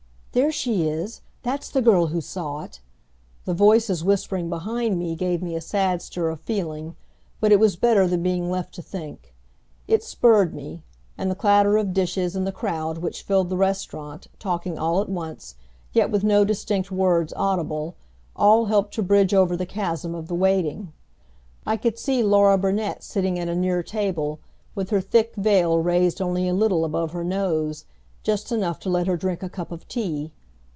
"There she is; that's the girl who saw it!" The voices whispering behind me gave me a sad stir of feeling, but it was better than being left to think. It spurred me; and the clatter of dishes and the crowd which filled the restaurant, talking all at once, yet with no distinct words audible, all helped to bridge over the chasm of the waiting. I could see Laura Burnet sitting at a near table with her thick veil raised only a little above her nose, just enough to let her drink a cup of tea.